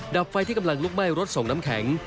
ดับไฟที่กำลังลุกไหม้รถส่งน้ำแข็ง